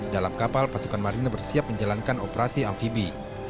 dalam kapal pasukan marine bersiap menjalankan operasi amfibi